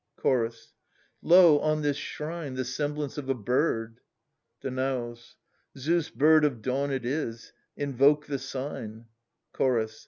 Chorus. ^4° Lo, on this shrine, the semblance of a bird.* Danaus. Zeus' bird of dawn it is ; invoke the sign ,/ 'Chorus.